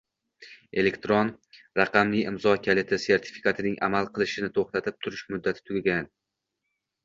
Elektron raqamli imzo kaliti sertifikatining amal qilishini to‘xtatib turish muddati tugagan